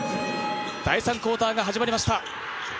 第３クオーターが始まりました。